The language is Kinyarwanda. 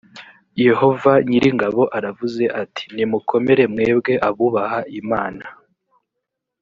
yehova nyir’ingabo aravuze ati nimukomere mwebwe abubaha imana